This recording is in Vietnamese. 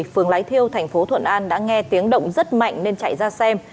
phường lái thiêu tp thuận an đã nghe tiếng động rất mạnh nên chạy ra xem